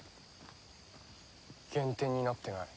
減点になってない。